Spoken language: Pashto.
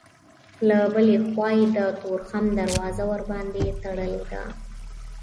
له بلې خوا یې د تورخم دروازه ورباندې تړلې ده.